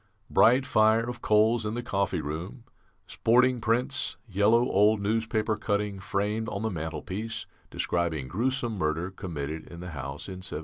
"Bright fire of coals in the coffee room, sporting prints, yellow old newspaper cutting framed on the mantelpiece describing gruesome murder committed in the house in 1760.